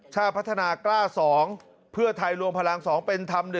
ชาติพัฒนากล้า๒เพื่อไทยรวมพลัง๒เป็นธรรม๑